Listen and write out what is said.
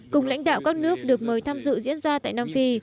cùng lãnh đạo các nước được mời tham dự diễn ra tại nam phi